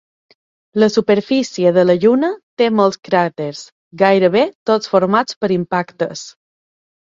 La superfície de la Lluna té molts cràters, gairebé tots formats per impactes.